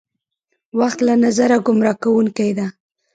وخت له نظره ګمراه کوونکې ده.